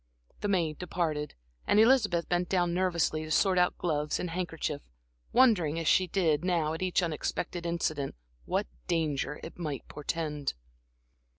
The maid departed, and Elizabeth bent down nervously to sort out gloves and handkerchief, wondering as she did now at each unexpected incident, what danger it might portend.